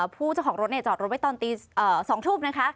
ผู้เจ้าของรถจอดรถไว้ตอนตี๒ทุ่มนะคะ